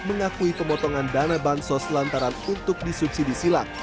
mengakui pemotongan dana bantuan sosial lantaran untuk disuksidi silang